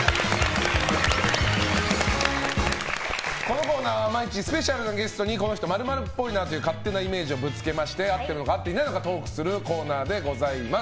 このコーナーは毎日スペシャルなゲストなゲストにこの人○○っぽいなという勝手なイメージをぶつけまして合ってるのか合っていないのかトークするコーナーです。